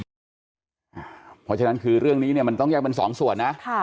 เพราะฉะนั้นคือเรื่องนี้เนี่ยมันต้องแยกเป็นสองส่วนนะ